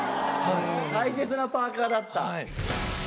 大切なパーカだった。